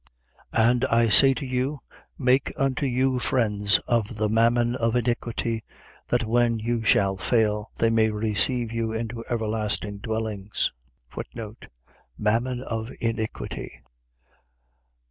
16:9. And I say to you: Make unto you friends of the mammon of iniquity: that when you shall fail, they may receive you into everlasting dwellings. Mammon of iniquity.